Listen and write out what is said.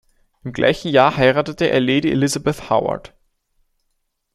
Im gleichen Jahr heiratete er Lady Elizabeth Howard.